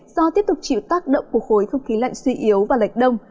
do tiếp tục chịu tác động của khối không khí lạnh suy yếu và lệch đông